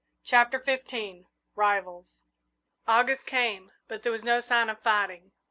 CHAPTER XV RIVALS August came, but there was no sign of fighting.